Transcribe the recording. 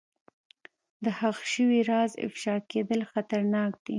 د ښخ شوي راز افشا کېدل خطرناک دي.